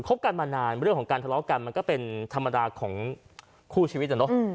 บกันมานานเรื่องของการทะเลาะกันมันก็เป็นธรรมดาของคู่ชีวิตนะเนอะ